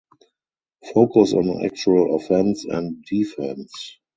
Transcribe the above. Focus on actual offense and defense.